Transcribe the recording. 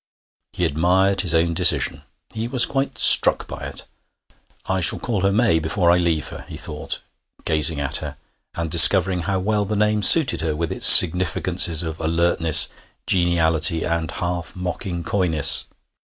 He admired his own decision; he was quite struck by it. 'I shall call her May before I leave her,' he thought, gazing at her, and discovering how well the name suited her, with its significances of alertness, geniality, and half mocking coyness.